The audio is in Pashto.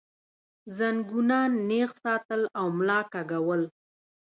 زنګونان نېغ ساتل او ملا کږول